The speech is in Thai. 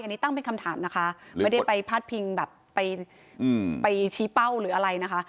อันนี้ตั้งเป็นคำถามนะคะไม่ได้ไปพาดพิงแบบไปชี้เป้าหรืออะไรนะคะ